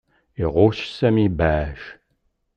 Iɣuc Sami ibeɛɛac.